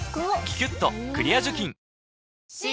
「キュキュットクリア除菌」新！